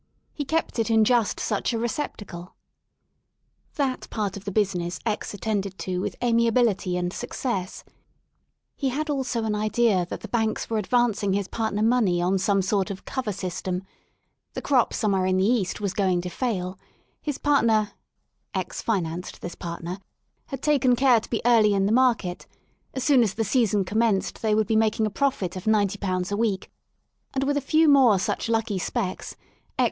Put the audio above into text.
He kept it in just such a receptacle. That part of the business X, attended to with amia^ 8i G THE SOUL OF LONDON bilLty and success ; he had also an idea that the Banks were advancing his partner money on some sort of cover system *'; the crop somewhere in the East was going to fail : his partner— X, financed this partner — had taken care to be early in the market: as soon as the season commenced they would be making a profit of ^90 a week, and with a few more such lucky specs, X.